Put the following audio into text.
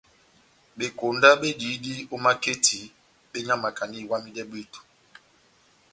Bekonda bediyidi ó maketi benyamakandi iwamidɛ bwíto.